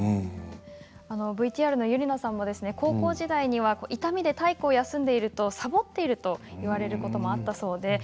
ＶＴＲのＹｕｒｉｎａさんも高校時代に痛みで体育を休んでいると、さぼっていると言われることがあったそうです。